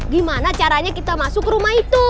gimana caranya kita masuk ke rumah itu